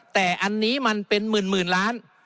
แต่อันนี้มันเป็นหมื่นล้าน